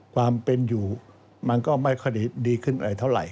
ความเป็นอยู่มันก็ไม่ค่อยดีขึ้นอะไรเท่าไหร